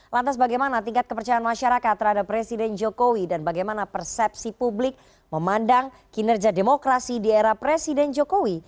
lantas bagaimana tingkat kepercayaan masyarakat terhadap presiden jokowi dan bagaimana persepsi publik memandang kinerja demokrasi di era presiden jokowi